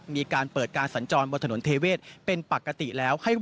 มีการเปิดการสัญจรบนถนนเทเวศเป็นปกติแล้ว